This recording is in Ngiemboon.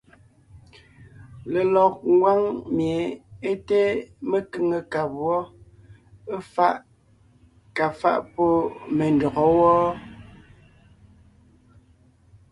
Lelɔg ngwáŋ mie é té mekʉ̀ŋekab wɔ́, éfaʼ kà faʼ pɔ́ me ndÿɔgɔ́ wɔ́ɔ.